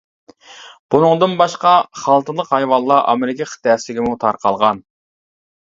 بۇنىڭدىن باشقا، خالتىلىق ھايۋانلار ئامېرىكا قىتئەسىگىمۇ تارقالغان.